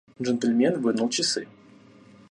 Джентльмен вынул часы.